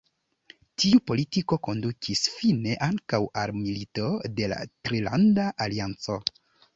Tiu politiko kondukis fine ankaŭ al Milito de la Trilanda Alianco.